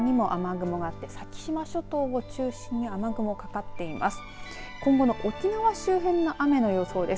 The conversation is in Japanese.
沖縄にも雨雲があって先島諸島を中心に雨雲かかっています。